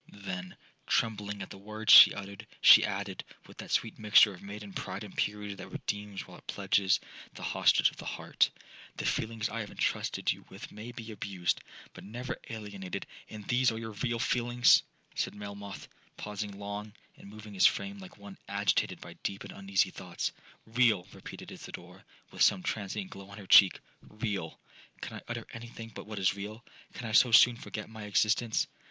Then, trembling at the words she uttered, she added, with that sweet mixture of maiden pride and purity that redeems while it pledges the hostage of the heart, 'The feelings I have entrusted you with may be abused, but never alienated.'—'And these are your real feelings?' said Melmoth, pausing long, and moving his frame like one agitated by deep and uneasy thoughts. 'Real!' repeated Isidora, with some transient glow on her cheek—'real! Can I utter any thing but what is real? Can I so soon forget my existence?'